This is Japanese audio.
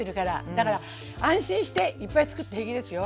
だから安心していっぱい作って平気ですよ。